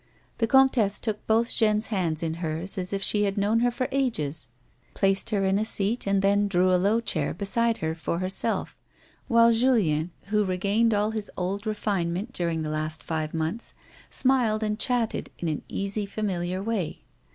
The comtesse took both Jeanne's hands in hers as if she had known her for ages, placed her in a seat and then drew a low chair beside her for herself, while Julien, who had regained all his old refinement during the last five months, smiled and chatted in an easy, familiar way.